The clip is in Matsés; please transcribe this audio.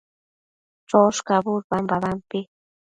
choshcabud babampi